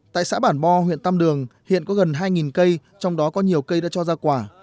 tại xã bản bo huyện tam đường hiện có gần hai cây trong đó có nhiều cây đã cho ra quả